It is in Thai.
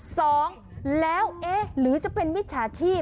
สองแล้วเอ๊ะหรือจะเป็นมิจฉาชีพ